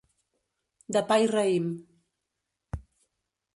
De pa i raïm.